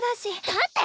だって！